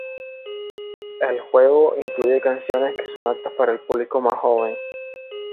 El juego incluye canciones que son "aptas para el público más joven".